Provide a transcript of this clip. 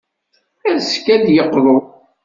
Azekka, ad d-yeqḍu.